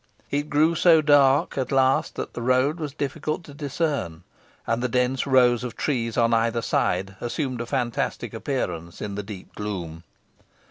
It grew so dark at last that the road was difficult to discern, and the dense rows of trees on either side assumed a fantastic appearance in the deep gloom.